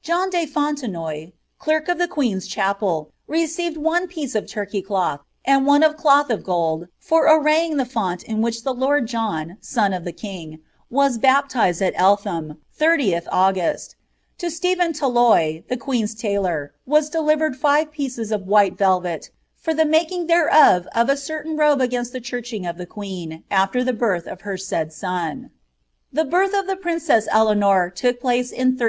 John de Fonlenoy, clerk of the queen's received one piece of Turkey cloth, anil one of cloth of gold for ing the font in which the lord John, son of the king, w&s ' Ellhani, 30th August; to Stephen Taloise, the queen's iai|ar, wMaB' vered fire pieces of white velvet fur ihe making thereof a ceruin ttbl against ihe churching of the queen, after the birth of her awii son." The birth of the princess Eleanor look place in 1319.